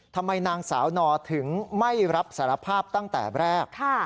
ทำไมนางสาวนอถึงไม่รับสารภาพตั้งแต่แรก